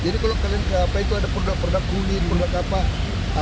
jadi kalau kalian ke apa itu ada produk produk kulit produk apa